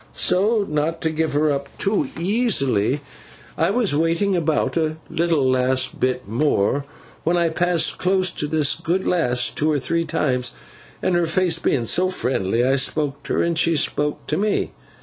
So not to give her up too easily, I was waiting about, a little last bit more, when I passed close to this good lass two or three times; and her face being so friendly I spoke to her, and she spoke to me.